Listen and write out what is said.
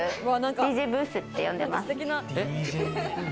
ＤＪブースって呼んでます。